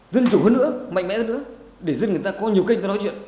dân chủ hơn nữa mạnh mẽ hơn nữa để dân người ta có nhiều kênh cho nói chuyện